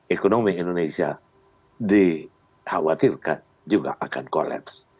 ekonomi indonesia dikhawatirkan juga akan kolaps